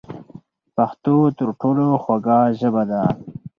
پښتو تر ټولو خوږه ژبه ده.